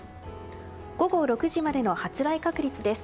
午後６時までの発雷確率です。